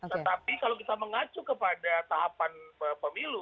tetapi kalau kita mengacu kepada tahapan pemilu